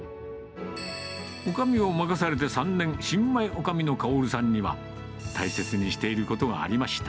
おかみを任されて３年、新米おかみの薫さんには、大切にしていることがありました。